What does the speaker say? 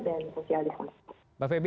dan sosial disana mbak feby